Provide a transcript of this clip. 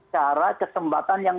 cara kesempatan yang